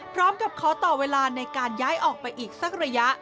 พร้อมกับขอต่อเวลาในการย้ายออกไปอีกสักระยะ